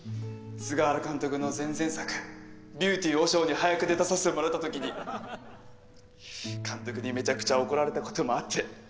菅原監督の前々作「ビューティー和尚」に端役で出させてもらったときに監督にめちゃくちゃ怒られたこともあって。